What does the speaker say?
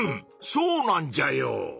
そうなんじゃよ！